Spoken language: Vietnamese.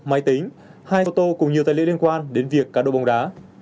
máy tính hai ô tô cùng nhiều tài liệu liên quan đến việc cá độ bóng đá